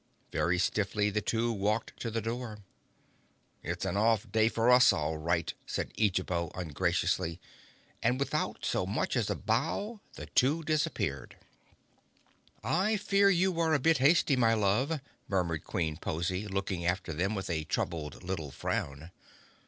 Very stiffly the two walked to the door. "It's an off day for us, all right," said Eejabo ungraciously, and without so much as a bow the two disappeared. "I fear you were a bit hasty, my love," murmured Queen Pozy, looking after them with a troubled little frown.